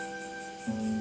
untuk menghadapi masalah ini